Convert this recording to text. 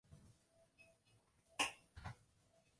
施瓦岑贝格广场是奥地利维也纳的一个广场。